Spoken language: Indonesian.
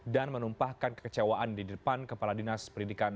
dan menumpahkan kekecewaan di depan kepala dinas pendidikan dki jakarta